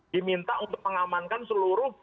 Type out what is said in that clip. diminta untuk mengamankan seluruh